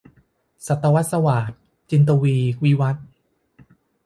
ศตวรรษสวาท - จินตวีร์ วิวัธน์